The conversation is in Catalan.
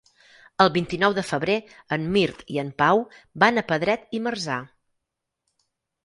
El vint-i-nou de febrer en Mirt i en Pau van a Pedret i Marzà.